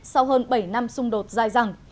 sau hơn bảy năm xung đột dài dẳng